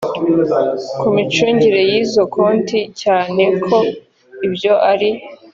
ku micungire y izo konti cyane ko ibyo ari